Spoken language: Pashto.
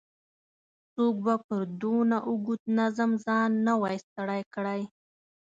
څوک به پر دونه اوږده نظم ځان نه وای ستړی کړی.